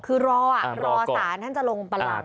คือรอรอสารท่านจะลงประหลัด